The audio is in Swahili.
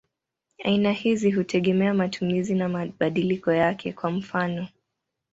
Aina hizi hutegemea matumizi na mabadiliko yake; kwa mfano.